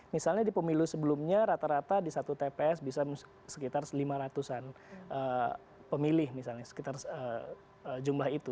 misalnya di pemilu sebelumnya rata rata di satu tps bisa sekitar lima ratus an pemilih misalnya sekitar jumlah itu